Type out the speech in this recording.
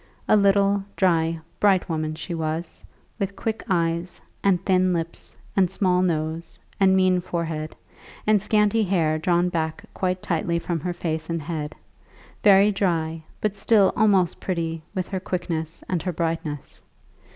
A little, dry, bright woman she was, with quick eyes, and thin lips, and small nose, and mean forehead, and scanty hair drawn back quite tightly from her face and head; very dry, but still almost pretty with her quickness and her brightness.